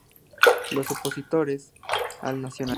Los opositores al nacionalismo chino lo atacan desde varios flancos.